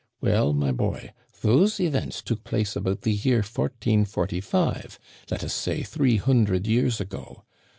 Well, my boy, those events took place about the year 1445 — let us say, three hundred years ago.